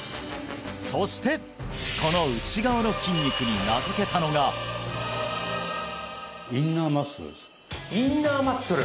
そしてこの内側の筋肉に名付けたのがインナーマッスル？